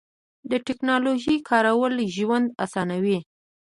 د تکنالوژۍ کارول ژوند اسانوي.